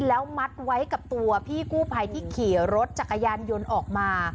แล้วมัดไว้กับตัวพี่กู้ภัยที่ขี่รถจักรยานยนต์ออกมา